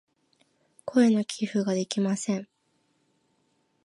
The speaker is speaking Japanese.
声の寄付ができません。